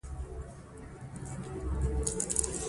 ځنګلونه د افغانستان د چاپیریال ساتنې لپاره مهم دي.